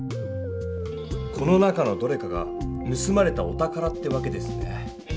この中のどれかがぬすまれたお宝ってわけですね。